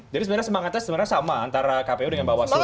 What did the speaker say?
jadi sebenarnya semangatnya sama antara kpu dengan bawaslu